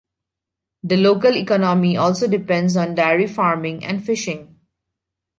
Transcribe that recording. The local economy also depends on dairy farming and fishing.